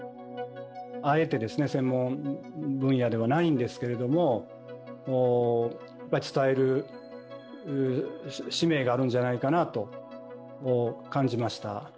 あえてですね、専門分野ではないんですけれども、やっぱり伝える使命があるんじゃないかなと感じました。